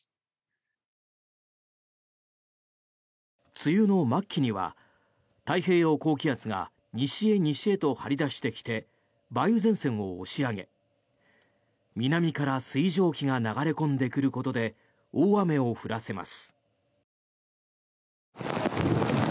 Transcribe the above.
梅雨の末期には太平洋高気圧が西へ西へと張り出してきて梅雨前線を押し上げ南から水蒸気が流れ込んでくることで大雨を降らせます。